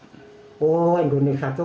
ini satu punya ini punya itu sebagainya